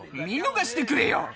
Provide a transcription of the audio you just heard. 見逃してくれよ。